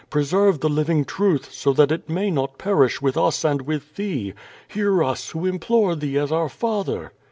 Preserve the living truth, so that it may not perish with us and with thee. Hear ub, who implore thee as our father.'